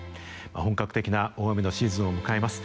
本格的な大雨のシーズンを迎えます。